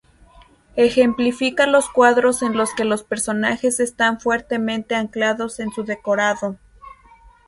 Ejemplifica los cuadros en los que los personajes están fuertemente anclados en su decorado.